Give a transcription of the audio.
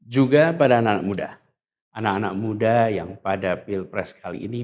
juga pada anak anak muda anak anak muda yang pada pilpres kali ini